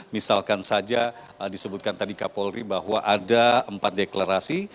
misalkan saja disebutkan tadi kapolri bahwa ada empat deklarasi